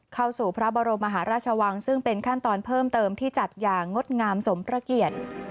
เข้าสู่พระบรมมหาราชวังซึ่งเป็นขั้นตอนเพิ่มเติมที่จัดอย่างงดงามสมพระเกียรติ